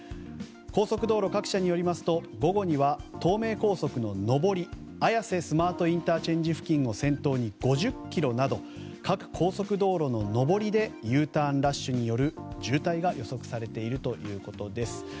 高速道路各社によりますと午後には東名高速の上り綾瀬スマートＩＣ付近を先頭に５０ｋｍなど各高速道路の上りでＵターンラッシュによる渋滞が予測されているということです。